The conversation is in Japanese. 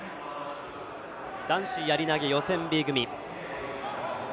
男子やり投予選Ｂ組。